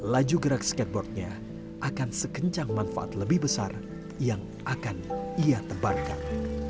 laju gerak skateboardnya akan sekencang manfaat lebih besar yang akan ia tebarkan